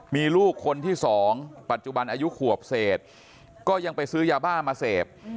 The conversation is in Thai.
มีลูกคนที่๒ปัจจุบันอายุขวบเศษก็ยังไปซื้อยาบ้ามาเสพ